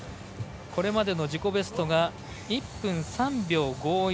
これまでの自己ベストが１分３秒５１。